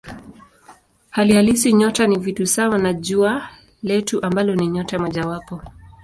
Hali halisi nyota ni vitu sawa na Jua letu ambalo ni nyota mojawapo.